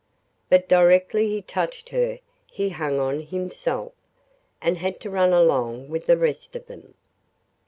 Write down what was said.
But directly he touched her he hung on himself, and had to run along with the rest of them.